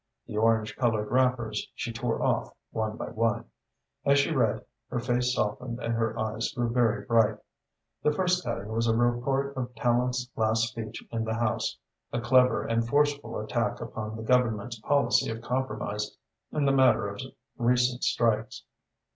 The orange coloured wrappers she tore off, one by one. As she read, her face softened and her eyes grew very bright. The first cutting was a report of Tallente's last speech in the House, a clever and forceful attack upon the Government's policy of compromise in the matter of recent strikes.